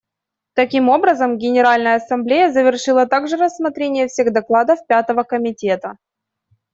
Таким образом, Генеральная Ассамблея завершила также рассмотрение всех докладов Пятого комитета.